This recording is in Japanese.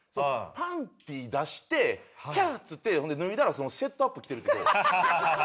パンティー出して「キャッ！」っつってほんで脱いだらセットアップ着てるってどう？